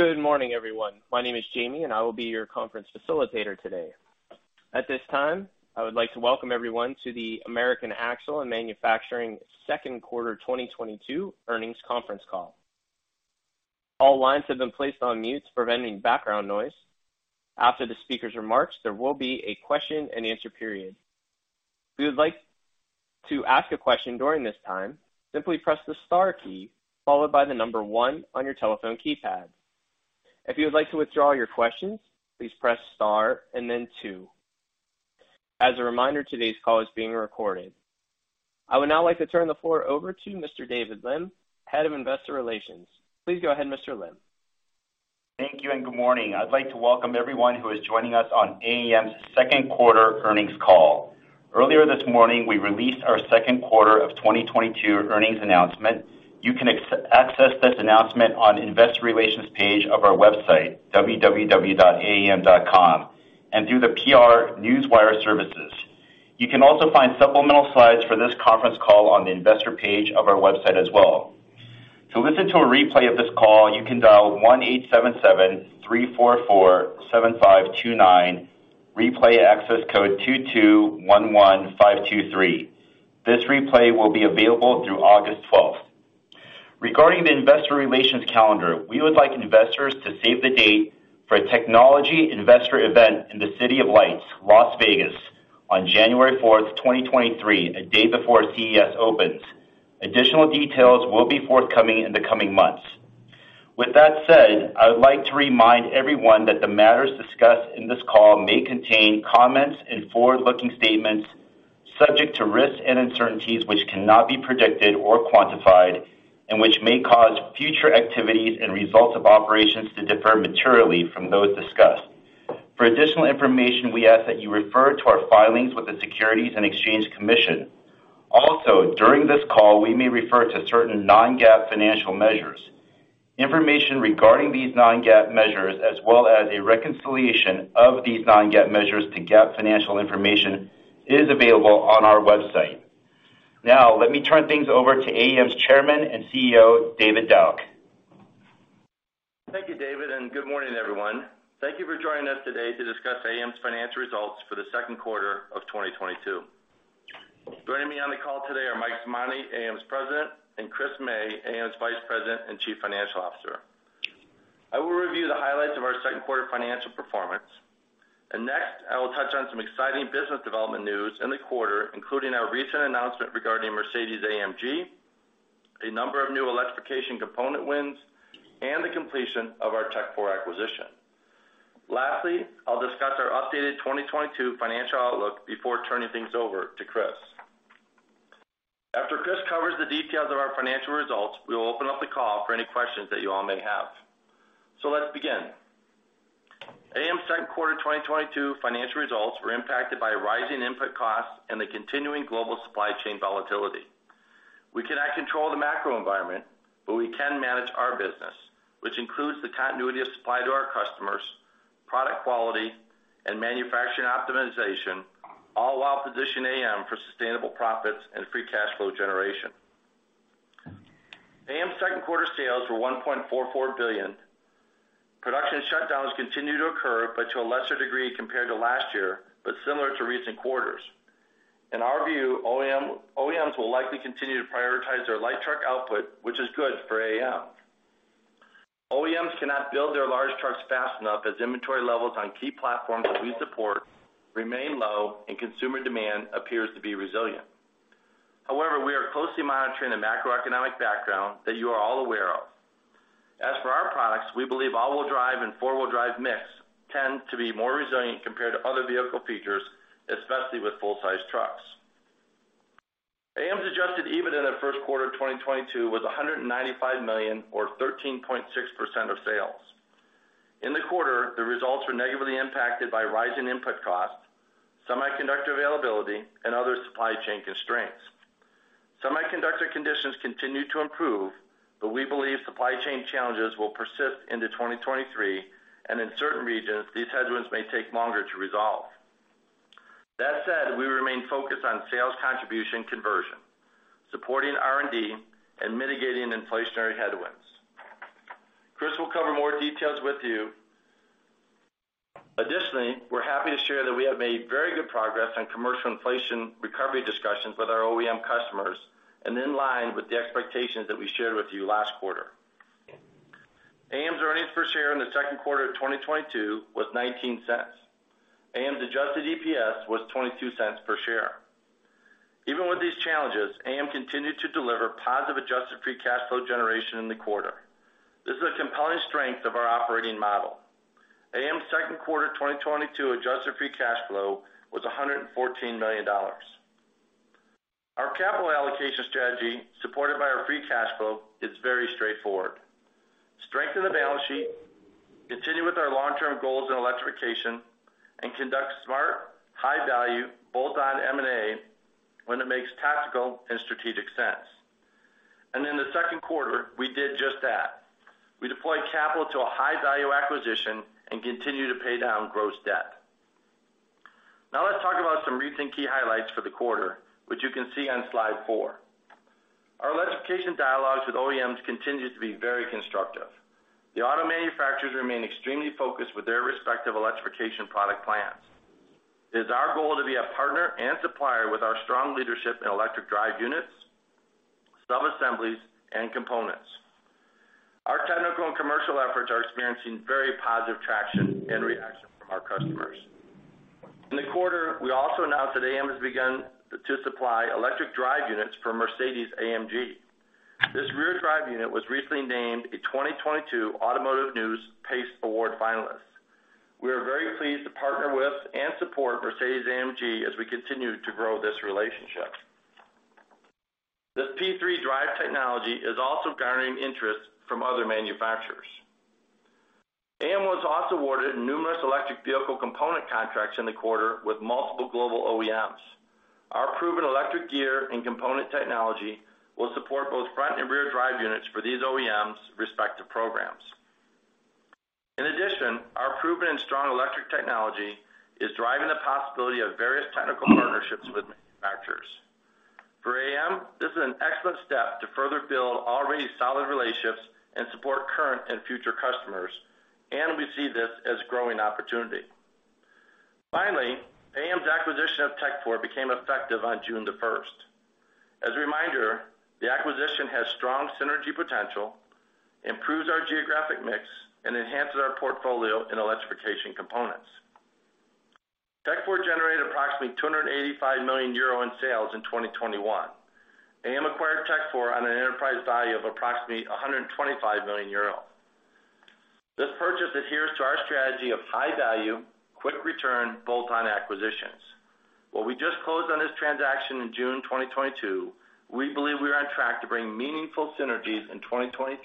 Good morning, everyone. My name is Jamie, and I will be your conference facilitator today. At this time, I would like to welcome everyone to the American Axle & Manufacturing second quarter 2022 earnings conference call. All lines have been placed on mute, preventing background noise. After the speaker's remarks, there will be a question-and-answer period. If you would like to ask a question during this time, simply press the star key followed by the number one on your telephone keypad. If you would like to withdraw your questions, please press star and then two. As a reminder, today's call is being recorded. I would now like to turn the floor over to Mr. David Lim, Head of Investor Relations. Please go ahead, Mr. Lim. Thank you, and good morning. I'd like to welcome everyone who is joining us on AAM's second quarter earnings call. Earlier this morning, we released our second quarter of 2022 earnings announcement. You can access this announcement on Investor Relations page of our website, www.aam.com, and through the PR Newswire services. You can also find supplemental slides for this conference call on the Investor Relations page of our website as well. To listen to a replay of this call, you can dial 1-877-344-7529, replay access code 2211523. This replay will be available through August 12th. Regarding the investor relations calendar, we would like investors to save the date for a technology investor event in the City of Lights, Las Vegas, on January 4th, 2023, a day before CES opens. Additional details will be forthcoming in the coming months. With that said, I would like to remind everyone that the matters discussed in this call may contain comments and forward-looking statements subject to risks and uncertainties which cannot be predicted or quantified and which may cause future activities and results of operations to differ materially from those discussed. For additional information, we ask that you refer to our filings with the Securities and Exchange Commission. Also, during this call, we may refer to certain non-GAAP financial measures. Information regarding these non-GAAP measures, as well as a reconciliation of these non-GAAP measures to GAAP financial information, is available on our website. Now, let me turn things over to AAM's Chairman and CEO, David Dauch. Thank you, David, and good morning, everyone. Thank you for joining us today to discuss AAM's financial results for the second quarter of 2022. Joining me on the call today are Mike Simonte, AAM's President, and Chris May, AAM's Vice President and Chief Financial Officer. I will review the highlights of our second quarter financial performance. Next, I will touch on some exciting business development news in the quarter, including our recent announcement regarding Mercedes-AMG, a number of new electrification component wins, and the completion of our Tekfor acquisition. Lastly, I'll discuss our updated 2022 financial outlook before turning things over to Chris. After Chris covers the details of our financial results, we will open up the call for any questions that you all may have. Let's begin. AAM's second quarter 2022 financial results were impacted by rising input costs and the continuing global supply chain volatility. We cannot control the macro environment, but we can manage our business, which includes the continuity of supply to our customers, product quality, and manufacturing optimization, all while positioning AAM for sustainable profits and free cash flow generation. AAM's second quarter sales were $1.44 billion. Production shutdowns continue to occur, but to a lesser degree compared to last year, but similar to recent quarters. In our view, OEMs will likely continue to prioritize their light truck output, which is good for AAM. OEMs cannot build their large trucks fast enough as inventory levels on key platforms that we support remain low and consumer demand appears to be resilient. However, we are closely monitoring the macroeconomic background that you are all aware of. As for our products, we believe all-wheel drive and four-wheel drive mix tend to be more resilient compared to other vehicle features, especially with full-size trucks. AAM's adjusted EBITDA in the first quarter of 2022 was $195 million or 13.6% of sales. In the quarter, the results were negatively impacted by rising input costs, semiconductor availability, and other supply chain constraints. Semiconductor conditions continue to improve, but we believe supply chain challenges will persist into 2023, and in certain regions, these headwinds may take longer to resolve. That said, we remain focused on sales contribution conversion, supporting R&D, and mitigating inflationary headwinds. Chris will cover more details with you. Additionally, we're happy to share that we have made very good progress on commercial inflation recovery discussions with our OEM customers and in line with the expectations that we shared with you last quarter. AAM's earnings per share in the second quarter of 2022 was $0.19. AAM's adjusted EPS was $0.22 per share. Even with these challenges, AAM continued to deliver positive adjusted free cash flow generation in the quarter. This is a compelling strength of our operating model. AAM's second quarter 2022 adjusted free cash flow was $114 million. Our capital allocation strategy, supported by our free cash flow, is very straightforward. Strengthen the balance sheet, continue with our long-term goals in electrification, and conduct smart, high-value, bolt-on M&A when it makes tactical and strategic sense. In the second quarter, we did just that. We deployed capital to a high-value acquisition and continued to pay down gross debt. Recent key highlights for the quarter, which you can see on slide 4. Our electrification dialogues with OEMs continue to be very constructive. The auto manufacturers remain extremely focused with their respective electrification product plans. It is our goal to be a partner and supplier with our strong leadership in electric drive units, sub-assemblies, and components. Our technical and commercial efforts are experiencing very positive traction and reaction from our customers. In the quarter, we also announced that AAM has begun to supply electric drive units for Mercedes-AMG. This rear drive unit was recently named a 2022 Automotive News PACE Award finalist. We are very pleased to partner with and support Mercedes-AMG as we continue to grow this relationship. This P3 drive technology is also garnering interest from other manufacturers. AAM was also awarded numerous electric vehicle component contracts in the quarter with multiple global OEMs. Our proven electric gear and component technology will support both front and rear drive units for these OEMs' respective programs. In addition, our proven and strong electric technology is driving the possibility of various technical partnerships with manufacturers. For AAM, this is an excellent step to further build already solid relationships and support current and future customers, and we see this as a growing opportunity. Finally, AAM's acquisition of Tekfor became effective on June 1st. As a reminder, the acquisition has strong synergy potential, improves our geographic mix, and enhances our portfolio in electrification components. Tekfor generated approximately 285 million euro in sales in 2021. AAM acquired Tekfor on an enterprise value of approximately 125 million euro. This purchase adheres to our strategy of high value, quick return, bolt-on acquisitions. While we just closed on this transaction in June 2022, we believe we are on track to bring meaningful synergies in 2023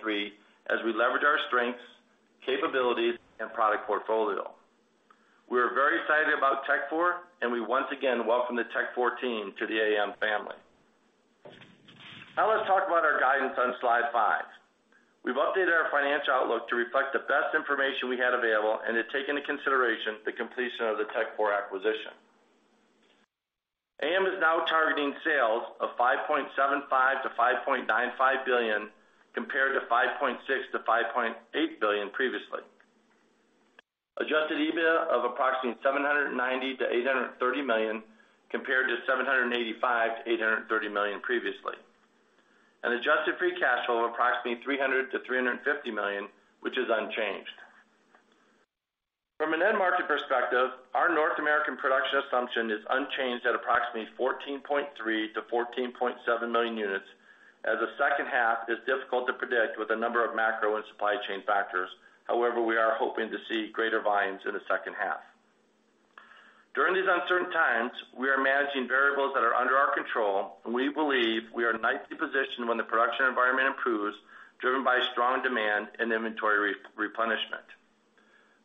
as we leverage our strengths, capabilities, and product portfolio. We are very excited about Tekfor, and we once again welcome the Tekfor team to the AAM family. Now let's talk about our guidance on slide 5. We've updated our financial outlook to reflect the best information we had available and to take into consideration the completion of the Tekfor acquisition. AAM is now targeting sales of $5.75 billion-$5.95 billion, compared to $5.6 billion-$5.8 billion previously. Adjusted EBITDA of approximately $790 million-$830 million, compared to $785 million-$830 million previously. An adjusted free cash flow of approximately $300 million-$350 million, which is unchanged. From an end market perspective, our North American production assumption is unchanged at approximately 14.3 million-14.7 million units as the second half is difficult to predict with a number of macro and supply chain factors. However, we are hoping to see greater volumes in the second half. During these uncertain times, we are managing variables that are under our control, and we believe we are nicely positioned when the production environment improves, driven by strong demand and inventory replenishment.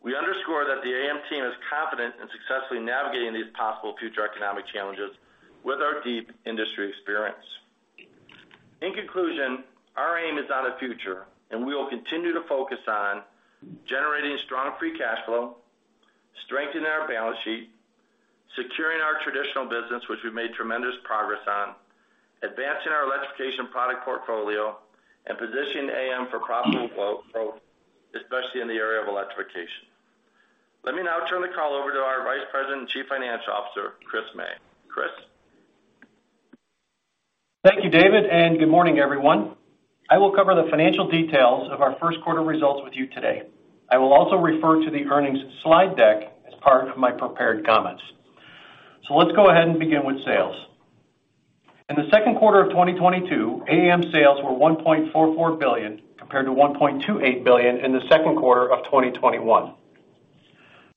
We underscore that the AAM team is confident in successfully navigating these possible future economic challenges with our deep industry experience. In conclusion, our aim is on the future, and we will continue to focus on generating strong free cash flow, strengthening our balance sheet, securing our traditional business, which we've made tremendous progress on, advancing our electrification product portfolio, and positioning AAM for profitable growth, especially in the area of electrification. Let me now turn the call over to our Vice President and Chief Financial Officer, Chris May. Chris? Thank you, David, and good morning, everyone. I will cover the financial details of our first quarter results with you today. I will also refer to the earnings slide deck as part of my prepared comments. Let's go ahead and begin with sales. In the second quarter of 2022, AAM sales were $1.44 billion, compared to $1.28 billion in the second quarter of 2021.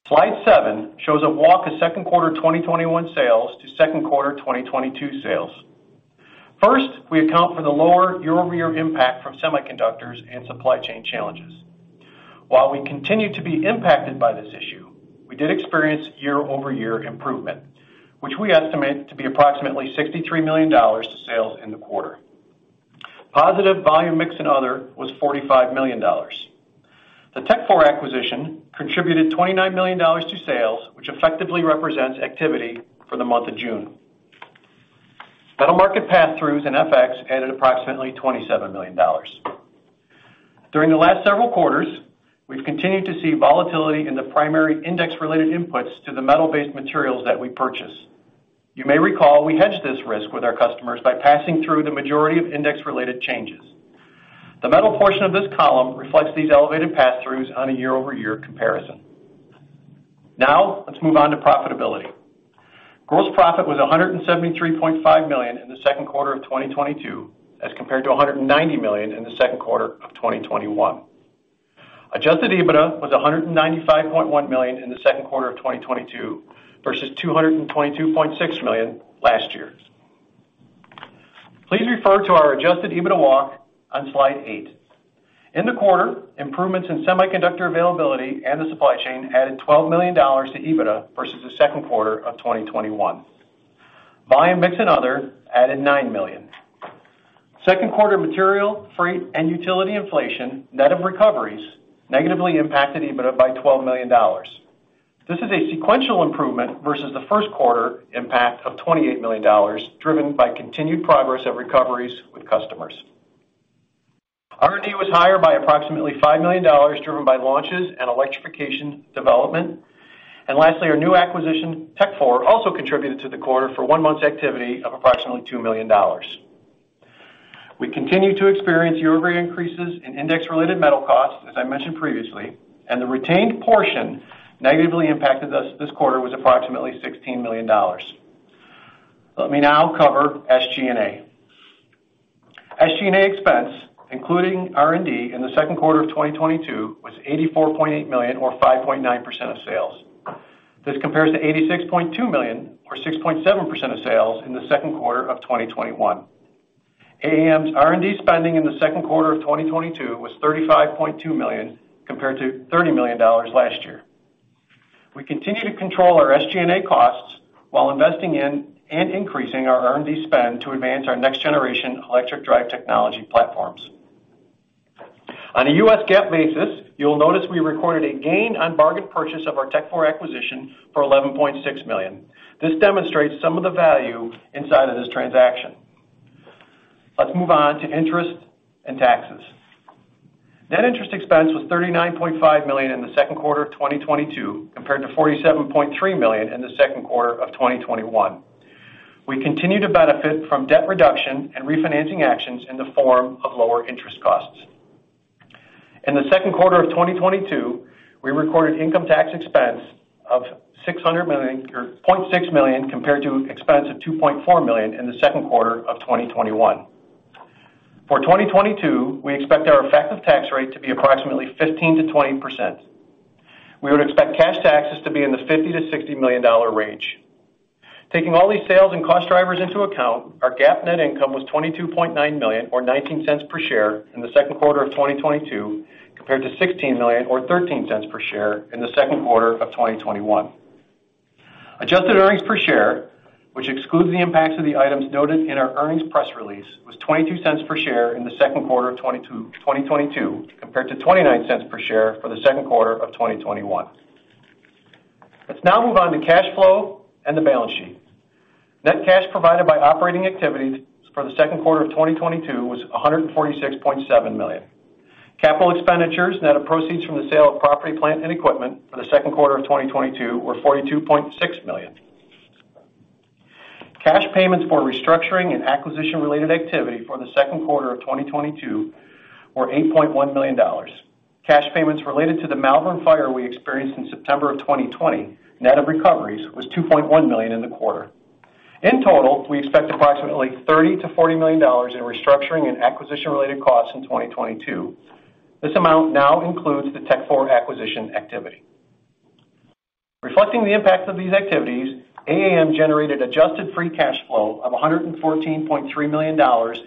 Slide 7 shows a walk of second quarter 2021 sales to second quarter 2022 sales. First, we account for the lower year-over-year impact from semiconductors and supply chain challenges. While we continue to be impacted by this issue, we did experience year-over-year improvement, which we estimate to be approximately $63 million to sales in the quarter. Positive volume mix and other was $45 million. The Tekfor acquisition contributed $29 million to sales, which effectively represents activity for the month of June. Metal market passthroughs and FX added approximately $27 million. During the last several quarters, we've continued to see volatility in the primary index-related inputs to the metal-based materials that we purchase. You may recall we hedged this risk with our customers by passing through the majority of index-related changes. The metal portion of this column reflects these elevated passthroughs on a year-over-year comparison. Now, let's move on to profitability. Gross profit was $173.5 million in the second quarter of 2022, as compared to $190 million in the second quarter of 2021. Adjusted EBITDA was $195.1 million in the second quarter of 2022 versus $222.6 million last year. Please refer to our adjusted EBITDA walk on slide 8. In the quarter, improvements in semiconductor availability and the supply chain added $12 million to EBITDA versus the second quarter of 2021. Volume, mix, and other added $9 million. Second quarter material, freight, and utility inflation, net of recoveries, negatively impacted EBITDA by $12 million. This is a sequential improvement versus the first quarter impact of $28 million, driven by continued progress of recoveries with customers. R&D was higher by approximately $5 million, driven by launches and electrification development. Lastly, our new acquisition, Tekfor, also contributed to the quarter for one month's activity of approximately $2 million. We continue to experience year-over-year increases in index-related metal costs, as I mentioned previously, and the retained portion negatively impacted us this quarter was approximately $16 million. Let me now cover SG&A. SG&A expense, including R&D in the second quarter of 2022, was $84.8 million or 5.9% of sales. This compares to $86.2 million or 6.7% of sales in the second quarter of 2021. AAM's R&D spending in the second quarter of 2022 was $35.2 million compared to $30 million last year. We continue to control our SG&A costs while investing in and increasing our R&D spend to advance our next-generation electric drive technology platforms. On a U.S. GAAP basis, you'll notice we recorded a gain on bargain purchase of our Tekfor acquisition for $11.6 million. This demonstrates some of the value inside of this transaction. Let's move on to interest and taxes. Net interest expense was $39.5 million in the second quarter of 2022, compared to $47.3 million in the second quarter of 2021. We continue to benefit from debt reduction and refinancing actions in the form of lower interest costs. In the second quarter of 2022, we recorded income tax expense of $0.6 million compared to expense of $2.4 million in the second quarter of 2021. For 2022, we expect our effective tax rate to be approximately 15%-20%. We would expect cash taxes to be in the $50-$60 million range. Taking all these sales and cost drivers into account, our GAAP net income was $22.9 million or $0.19 per share in the second quarter of 2022, compared to $16 million or $0.13 per share in the second quarter of 2021. Adjusted earnings per share, which excludes the impacts of the items noted in our earnings press release, was $0.22 per share in the second quarter of 2022, compared to $0.29 per share for the second quarter of 2021. Let's now move on to cash flow and the balance sheet. Net cash provided by operating activities for the second quarter of 2022 was $146.7 million. Capital expenditures, net of proceeds from the sale of property, plant, and equipment for the second quarter of 2022 were $42.6 million. Cash payments for restructuring and acquisition-related activity for the second quarter of 2022 were $8.1 million. Cash payments related to the Malvern fire we experienced in September of 2020, net of recoveries, was $2.1 million in the quarter. In total, we expect approximately $30-$40 million in restructuring and acquisition-related costs in 2022. This amount now includes the Tekfor acquisition activity. Reflecting the impact of these activities, AAM generated adjusted free cash flow of $114.3 million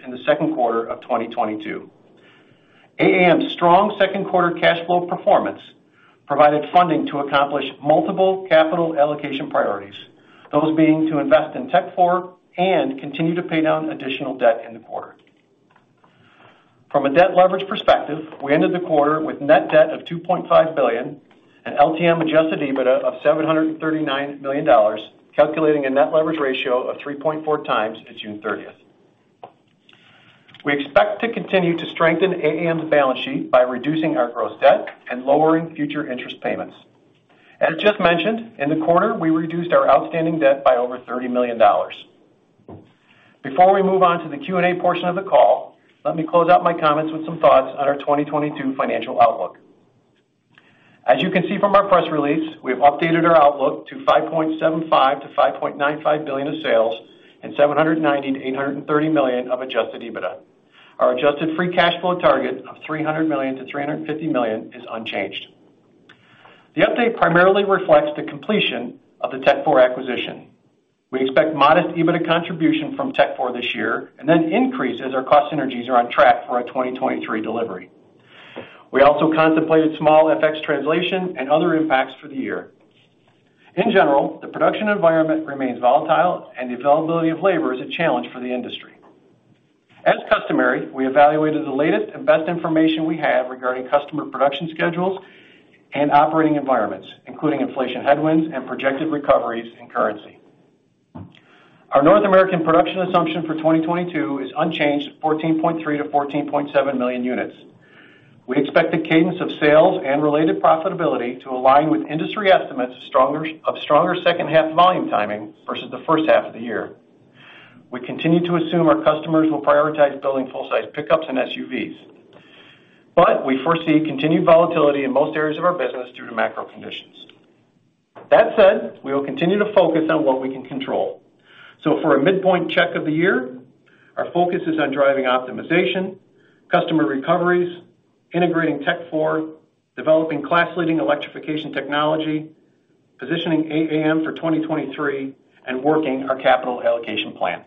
in the second quarter of 2022. AAM's strong second quarter cash flow performance provided funding to accomplish multiple capital allocation priorities, those being to invest in Tekfor and continue to pay down additional debt in the quarter. From a debt leverage perspective, we ended the quarter with net debt of $2.5 billion and LTM adjusted EBITDA of $739 million, calculating a net leverage ratio of 3.4x at June 30th. We expect to continue to strengthen AAM's balance sheet by reducing our gross debt and lowering future interest payments. As just mentioned, in the quarter, we reduced our outstanding debt by over $30 million. Before we move on to the Q&A portion of the call, let me close out my comments with some thoughts on our 2022 financial outlook. As you can see from our press release, we have updated our outlook to $5.75 billion miliion-$5.95 billion of sales and $790-$830 million of adjusted EBITDA. Our adjusted free cash flow target of $300 million-$350 million is unchanged. The update primarily reflects the completion of the Tekfor acquisition. We expect modest EBITDA contribution from Tekfor this year, and then increase as our cost synergies are on track for a 2023 delivery. We also contemplated small FX translation and other impacts for the year. In general, the production environment remains volatile and the availability of labor is a challenge for the industry. As customary, we evaluated the latest and best information we have regarding customer production schedules and operating environments, including inflation headwinds and projected recoveries in currency. Our North American production assumption for 2022 is unchanged, 14.3-14.7 million units. We expect the cadence of sales and related profitability to align with industry estimates of stronger second half volume timing versus the first half of the year. We continue to assume our customers will prioritize building full-size pickups and SUVs, but we foresee continued volatility in most areas of our business due to macro conditions. That said, we will continue to focus on what we can control. For a midpoint check of the year, our focus is on driving optimization, customer recoveries, integrating Tekfor, developing class-leading electrification technology, positioning AAM for 2023, and working our capital allocation plan.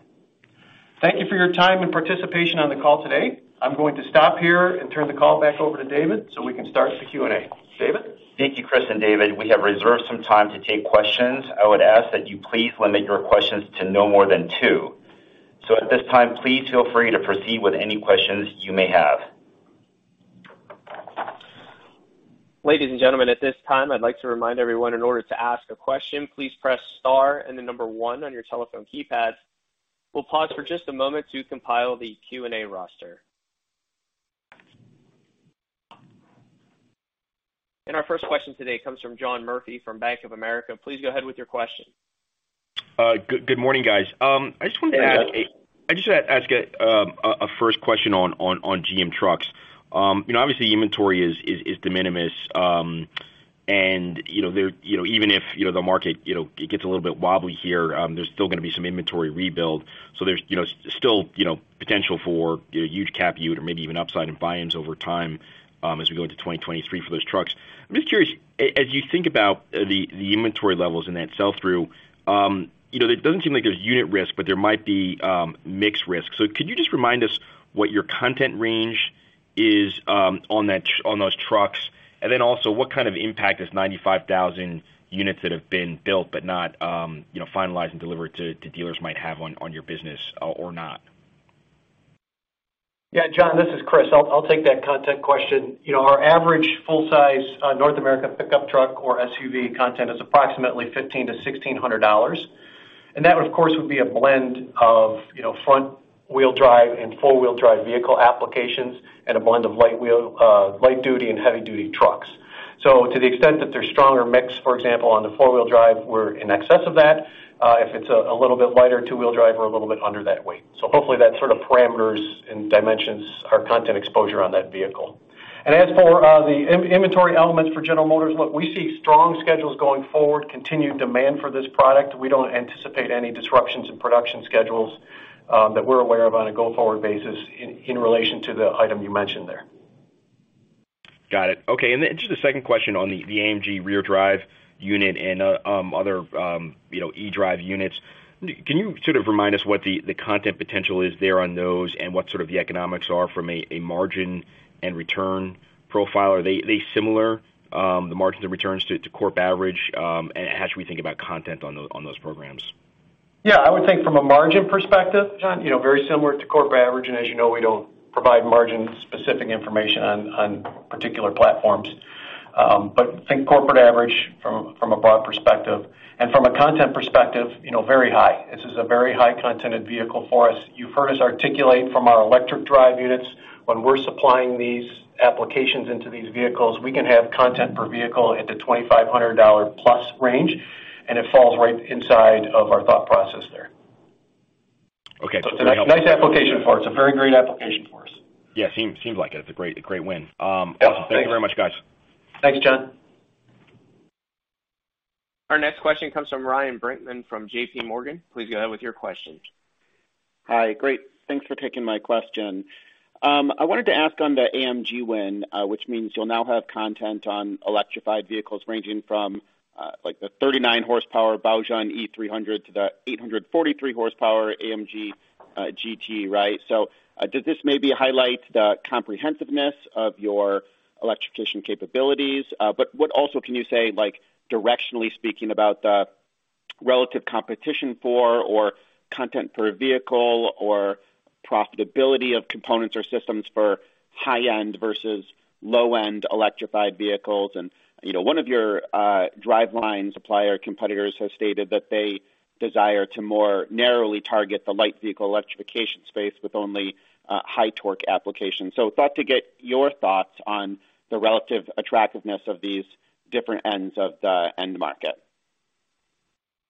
Thank you for your time and participation on the call today. I'm going to stop here and turn the call back over to David so we can start the Q&A. David. Thank you, Chris and David. We have reserved some time to take questions. I would ask that you please limit your questions to no more than two. At this time, please feel free to proceed with any questions you may have. Ladies and gentlemen, at this time, I'd like to remind everyone in order to ask a question, please press star and the number one on your telephone keypad. We'll pause for just a moment to compile the Q&A roster. Our first question today comes from John Murphy from Bank of America. Please go ahead with your question. Good morning, guys. I just wanted to ask. Yeah. I just ask a first question on GM trucks. You know, obviously inventory is de minimis. You know, even if the market you know it gets a little bit wobbly here, there's still gonna be some inventory rebuild. There's you know still potential for you know huge captive or maybe even upside in buy-ins over time as we go into 2023 for those trucks. I'm just curious as you think about the inventory levels and that sell-through you know it doesn't seem like there's unit risk, but there might be mix risk. Could you just remind us what your content range is on those trucks? What kind of impact does 95,000 units that have been built but not, you know, finalized and delivered to dealers might have on your business, or not? Yeah, John, this is Chris. I'll take that content question. You know, our average full-size North American pickup truck or SUV content is approximately $1,500-$1,600. That, of course, would be a blend of, you know, front-wheel drive and four-wheel drive vehicle applications and a blend of light duty and heavy-duty trucks. To the extent that there's a stronger mix, for example, on the four-wheel drive, we're in excess of that. If it's a little bit lighter two-wheel drive, we're a little bit under that weight. Hopefully that sort of parameters and dimensions are content exposure on that vehicle. As for the inventory elements for General Motors, look, we see strong schedules going forward, continued demand for this product. We don't anticipate any disruptions in production schedules that we're aware of on a go-forward basis in relation to the item you mentioned there. Got it. Okay. Just a second question on the AMG rear drive unit and other you know eDrive units. Can you sort of remind us what the content potential is there on those and what sort of the economics are from a margin and return profile? Are they similar the margins and returns to corp average as we think about content on those programs? Yeah. I would think from a margin perspective, John, you know, very similar to corporate average. As you know, we don't provide margin-specific information on particular platforms. I think corporate average from a broad perspective. From a content perspective, you know, very high. This is a very high content vehicle for us. You've heard us articulate from our electric drive units when we're supplying these applications into these vehicles, we can have content per vehicle into $2,500+ range, and it falls right inside of our thought process there. Okay. Nice application for us. A very great application for us. Yeah. Seems like it. It's a great win. Awesome. Thank you very much, guys. Thanks, John. Our next question comes from Ryan Brinkman from J.P. Morgan. Please go ahead with your questions. Hi. Great. Thanks for taking my question. I wanted to ask on the AMG win, which means you'll now have content on electrified vehicles ranging from, like, the 39 horsepower Baojun E300 to the 843 horsepower Mercedes-AMG GT, right? Does this maybe highlight the comprehensiveness of your electrification capabilities? What also can you say, like, directionally speaking about the relative competition for or content per vehicle or profitability of components or systems for high-end versus low-end electrified vehicles? You know, one of your driveline supplier competitors has stated that they desire to more narrowly target the light vehicle electrification space with only high torque application. I thought to get your thoughts on the relative attractiveness of these different ends of the end market.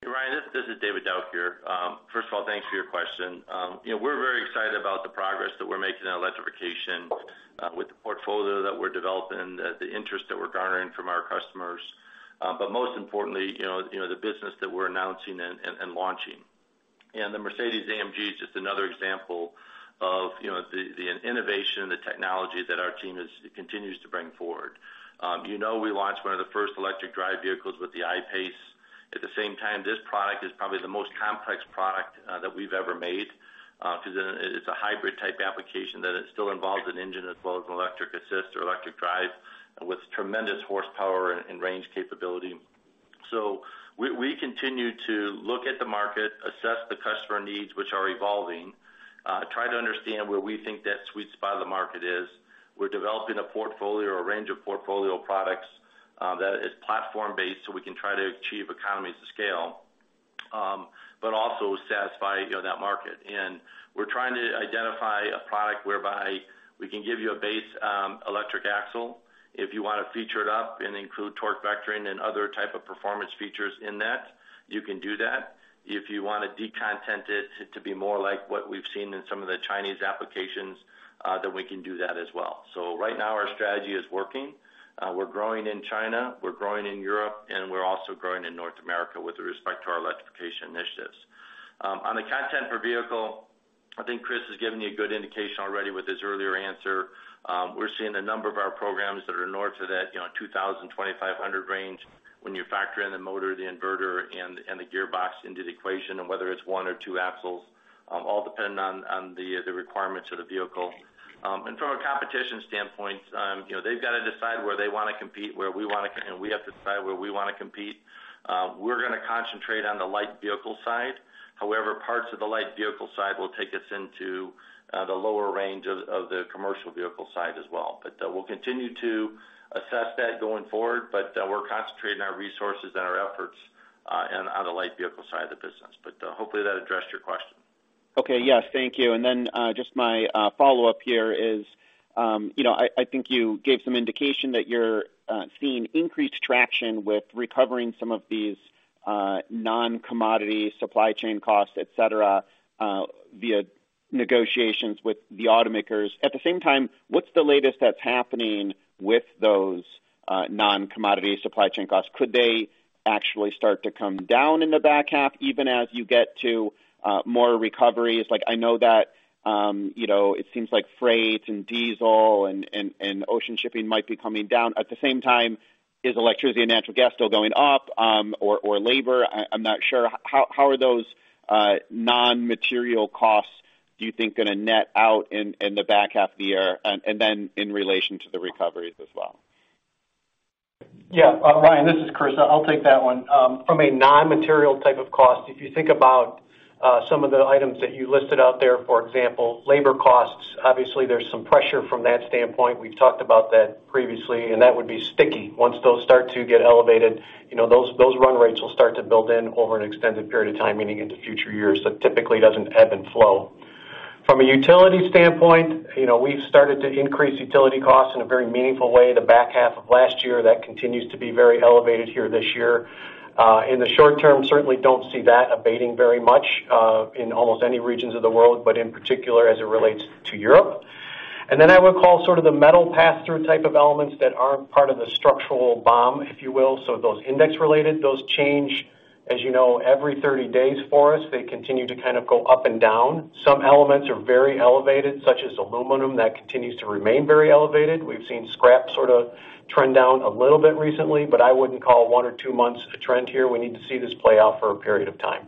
Ryan, this is David Dauch here. First of all, thanks for your question. You know, we're very excited about the progress that we're making in electrification with the portfolio that we're developing and the interest that we're garnering from our customers, but most importantly, you know, the business that we're announcing and launching. The Mercedes-AMG is just another example of the innovation, the technology that our team continues to bring forward. You know, we launched one of the first electric drive vehicles with the I-PACE. At the same time, this product is probably the most complex product that we've ever made, 'cause it's a hybrid type application that still involves an engine as well as an electric assist or electric drive with tremendous horsepower and range capability. We continue to look at the market, assess the customer needs, which are evolving, try to understand where we think that sweet spot of the market is. We're developing a portfolio or range of portfolio products, that is platform-based, so we can try to achieve economies of scale, but also satisfy, you know, that market. We're trying to identify a product whereby we can give you a base electric axle. If you wanna feature it up and include torque vectoring and other type of performance features in that, you can do that. If you wanna decontent it to be more like what we've seen in some of the Chinese applications, then we can do that as well. Right now, our strategy is working. We're growing in China, we're growing in Europe, and we're also growing in North America with respect to our electrification initiatives. On the content per vehicle, I think Chris has given you a good indication already with his earlier answer. We're seeing a number of our programs that are north of that 2,000-2,500 range when you factor in the motor, the inverter, and the gearbox into the equation and whether it's one or two axles, all depending on the requirements of the vehicle. From a competition standpoint, you know, they've gotta decide where they wanna compete, where we- We have to decide where we want to compete. We're gonna concentrate on the light vehicle side. Parts of the light vehicle side will take us into the lower range of the commercial vehicle side as well. We'll continue to assess that going forward, but we're concentrating our resources and our efforts on the light vehicle side of the business. Hopefully that addressed your question. Okay. Yes, thank you. Just my follow-up here is, you know, I think you gave some indication that you're seeing increased traction with recovering some of these non-commodity supply chain costs, et cetera, via negotiations with the automakers. At the same time, what's the latest that's happening with those non-commodity supply chain costs? Could they actually start to come down in the back half, even as you get to more recoveries? Like, I know that, you know, it seems like freight and diesel and ocean shipping might be coming down. At the same time, is electricity and natural gas still going up, or labor? I'm not sure. How are those non-material costs do you think gonna net out in the back half of the year and then in relation to the recoveries as well? Yeah. Ryan, this is Chris. I'll take that one. From a non-material type of cost, if you think about some of the items that you listed out there, for example, labor costs, obviously there's some pressure from that standpoint. We've talked about that previously, and that would be sticky. Once those start to get elevated, you know, those run rates will start to build in over an extended period of time, meaning into future years. That typically doesn't ebb and flow. From a utility standpoint, you know, we've started to increase utility costs in a very meaningful way the back half of last year. That continues to be very elevated here this year. In the short term, certainly don't see that abating very much in almost any regions of the world, but in particular as it relates to Europe. I would call sort of the metal pass-through type of elements that aren't part of the structural BOM, if you will, so those index related, those change, as you know, every 30 days for us. They continue to kind of go up and down. Some elements are very elevated, such as aluminum, that continues to remain very elevated. We've seen scrap sort of trend down a little bit recently, but I wouldn't call one or two months a trend here. We need to see this play out for a period of time.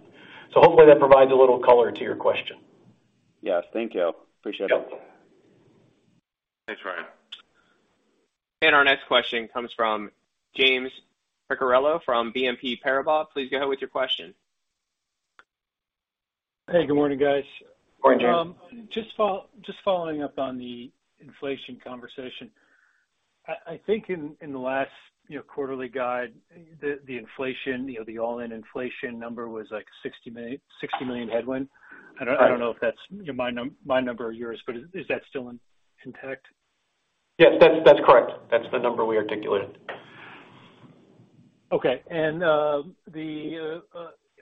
Hopefully that provides a little color to your question. Yes. Thank you. Appreciate it. Yep. Thanks, Ryan. Our next question comes from James Picariello from BNP Paribas. Please go ahead with your question. Hey, good morning, guys. Morning, James. Just following up on the inflation conversation. I think in the last, you know, quarterly guide, the inflation, you know, the all-in inflation number was like $60 million headwind. I don't. Right. I don't know if that's my number or yours, but is that still intact? Yes, that's correct. That's the number we articulated. Okay. The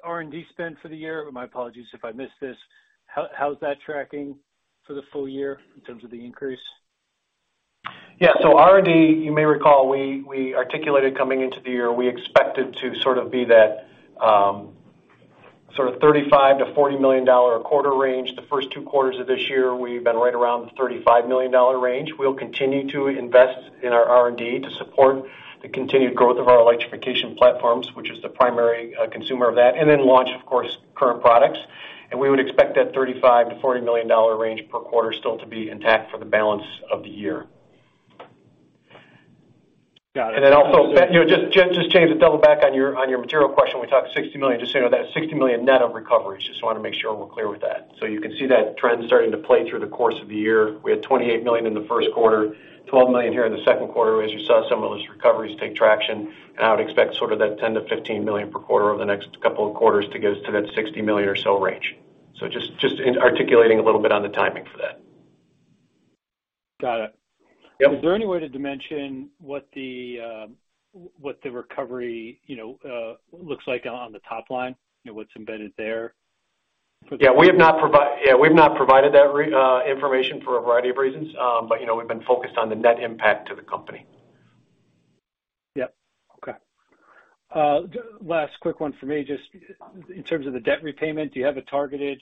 R&D spend for the year, my apologies if I missed this, how's that tracking for the full year in terms of the increase? Yeah. So R&D, you may recall, we articulated coming into the year, we expected to sort of be that sort of $35 million-$40 million a quarter range. The first two quarters of this year, we've been right around the $35 million range. We'll continue to invest in our R&D to support the continued growth of our electrification platforms, which is the primary consumer of that, and then launch, of course, current products. We would expect that $35 million-$40 million range per quarter still to be intact for the balance of the year. Got it. You know, just, James, to double back on your, on your material question, we talked $60 million. Just so you know, that $60 million net of recovery. Just wanna make sure we're clear with that. You can see that trend starting to play through the course of the year. We had $28 million in the first quarter, $12 million here in the second quarter, as you saw some of those recoveries take traction. I would expect sort of that $10-$15 million per quarter over the next couple of quarters to get us to that $60 million or so range. Just in articulating a little bit on the timing for that. Got it. Yep. Got it. Is there any way to dimension what the recovery, you know, looks like on the top line? You know, what's embedded there? Yeah, we've not provided that information for a variety of reasons. You know, we've been focused on the net impact to the company. Yep. Okay. Last quick one for me, just in terms of the debt repayment, do you have a targeted,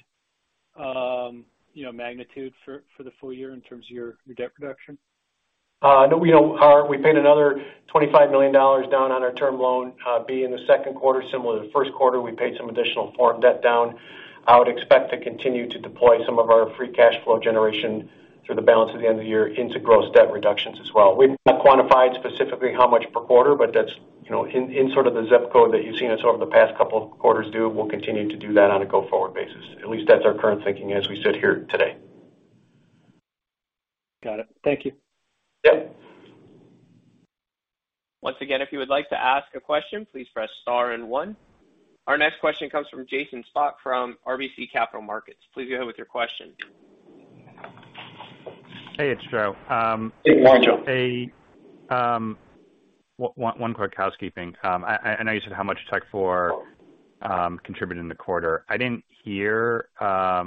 you know, magnitude for the full year in terms of your debt reduction? No, we don't. We paid another $25 million down on our term loan, be in the second quarter, similar to the first quarter, we paid some additional foreign debt down. I would expect to continue to deploy some of our free cash flow generation through the balance of the end of the year into gross debt reductions as well. We've not quantified specifically how much per quarter, but that's, you know, in sort of the zip code that you've seen us over the past couple of quarters do, we'll continue to do that on a go-forward basis. At least that's our current thinking as we sit here today. Got it. Thank you. Yes. Once again, if you would like to ask a question, please press star and one. Our next question comes from Jason Spak from RBC Capital Markets. Please go ahead with your question. Hey, it's Joe. Hey, morning, Joe. One quick housekeeping. I know you said how much Tekfor contributed in the quarter. I didn't hear how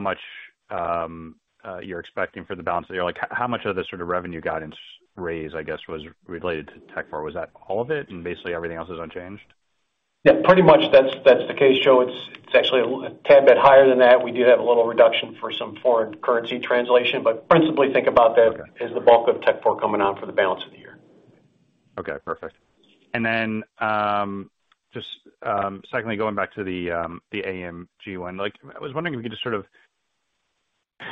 much you're expecting for the balance of the year. Like, how much of the sort of revenue guidance raise, I guess, was related to Tekfor? Was that all of it and basically everything else is unchanged? Yeah, pretty much that's the case, Joe. It's actually a tad bit higher than that. We do have a little reduction for some foreign currency translation, but principally think about that as the bulk of Tekfor coming on for the balance of the year. Okay, perfect. And then just secondly going back to the AMG win. Like, I was wondering if you could just sort of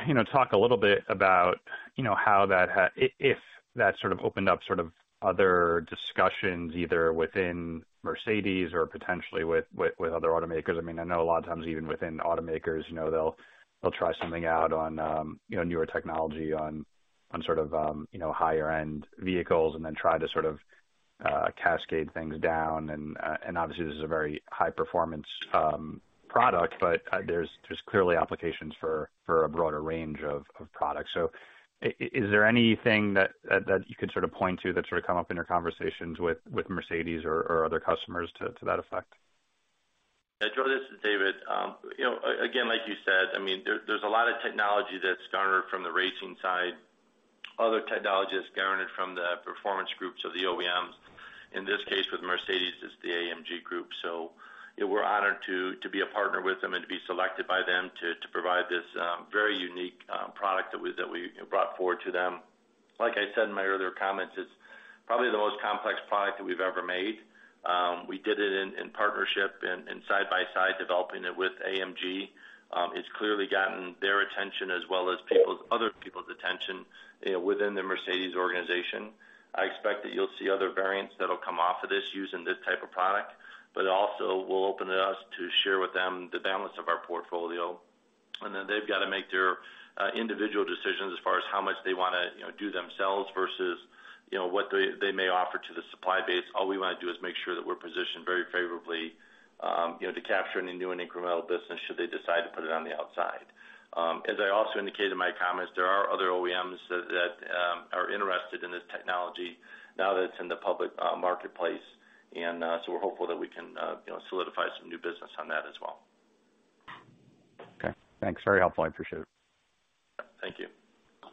you know, talk a little bit about, you know, how that if that sort of opened up sort of other discussions, either within Mercedes or potentially with other automakers. I mean, I know a lot of times, even within automakers, you know, they'll try something out on, you know, newer technology on sort of, you know, higher end vehicles and then try to sort of cascade things down and obviously, this is a very high performance product, but there's clearly applications for a broader range of products. Is there anything that you could sort of point to that sort of come up in your conversations with Mercedes or other customers to that effect? Yeah. Joe, this is David. You know, again, like you said, I mean, there's a lot of technology that's garnered from the racing side, other technologies garnered from the performance groups of the OEMs. In this case, with Mercedes, it's the AMG group. You know, we're honored to be a partner with them and to be selected by them to provide this very unique product that we brought forward to them. Like I said in my earlier comments, it's probably the most complex product that we've ever made. We did it in partnership and side by side, developing it with AMG. It's clearly gotten their attention as well as other people's attention, you know, within the Mercedes organization. I expect that you'll see other variants that'll come off of this using this type of product, but it also will open us to share with them the balance of our portfolio. Then they've got to make their individual decisions as far as how much they wanna, you know, do themselves versus, you know, what they may offer to the supply base. All we wanna do is make sure that we're positioned very favorably, you know, to capture any new and incremental business should they decide to put it on the outside. As I also indicated in my comments, there are other OEMs that are interested in this technology now that it's in the public marketplace. We're hopeful that we can, you know, solidify some new business on that as well. Okay. Thanks. Very helpful. I appreciate it. Thank you.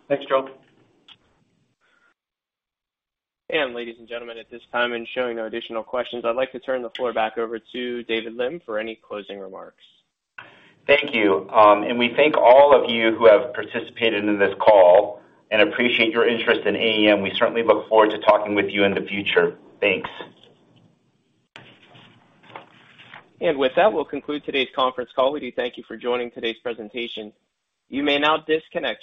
Thanks, Joe. Ladies and gentlemen, at this time, seeing no additional questions, I'd like to turn the floor back over to David Lim for any closing remarks. Thank you. We thank all of you who have participated in this call and appreciate your interest in AAM. We certainly look forward to talking with you in the future. Thanks. With that, we'll conclude today's conference call. We do thank you for joining today's presentation. You may now disconnect.